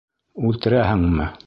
Үлтерәһеңме?